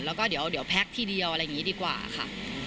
แล้วก็เดี๋ยวแพ็คทีเดียวอะไรอย่างนี้ดีกว่าค่ะ